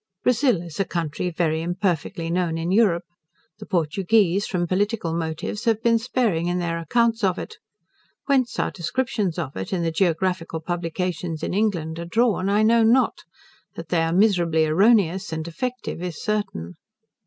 Brazil is a country very imperfectly known in Europe. The Portugueze, from political motives, have been sparing in their accounts of it. Whence our descriptions of it, in the geographical publications in England, are drawn, I know not: that they are miserably erroneous and defective, is certain.